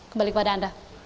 kembali kepada anda